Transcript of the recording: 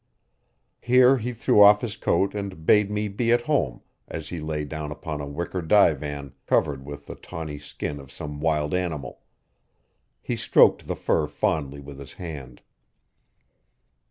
Here he threw off his coat and bade me be at home as he lay down upon a wicker divan covered with the tawny skin of some wild animal. He stroked the fur fondly with his hand.